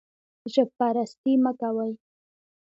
ژب پرستي مه کوئ